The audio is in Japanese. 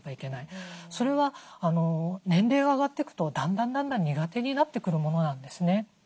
それは年齢が上がっていくとだんだん苦手になってくるものなんですね。